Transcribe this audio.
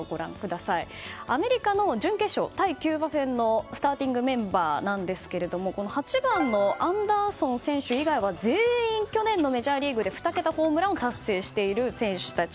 アメリカの準決勝対キューバ戦のスターティングメンバーですが８番のアンダーソン選手以外は全員去年のメジャーリーグで２桁ホームランを達成している選手たち。